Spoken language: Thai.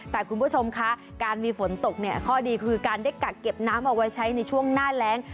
แต่คุณผู้ชมคะการมีฝนตกเนี่ยข้อดีคือการได้กักเก็บน้ำเอาไว้ใช้ในช่วงหน้าแรง